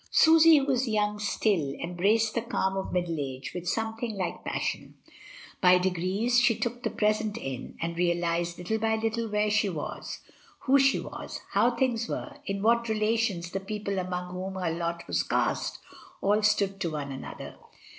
Susy, who was young still, embraced the calm of middle age with something like passion. By de grees she took the present in, and realised little by little where she was, who she was, how things were, in what relations the people among whom her lot 2$0 MRS. DYMOND. was cast all stood to one another.